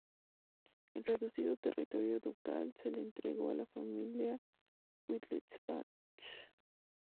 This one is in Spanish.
El reducido territorio ducal se le entregó a la familia Wittelsbach.